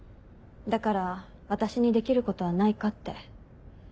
だから私にできることはないかって。